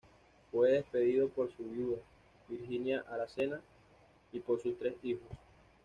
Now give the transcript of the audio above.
Fue despedido por su viuda, Virgina Aracena, y por sus tres hijos.